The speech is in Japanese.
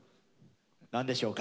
何でしょうか？